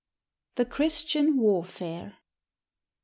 The Christian Warfare.